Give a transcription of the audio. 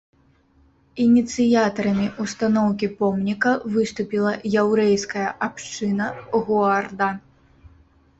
Ініцыятарамі ўстаноўкі помніка выступіла яўрэйская абшчына гоарда.